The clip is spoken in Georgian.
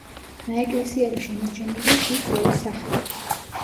ნაეკლესიარი შემორჩენილია ქვის გროვის სახით.